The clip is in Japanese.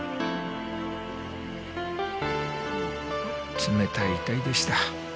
冷たい遺体でした。